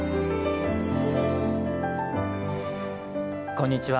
こんにちは。